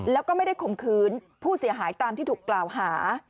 แล้วก็ไม่ได้ข่มขืนผู้เสียหายตามที่ถูกกล่าวหา